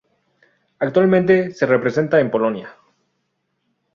Actualmente se representa en Polonia.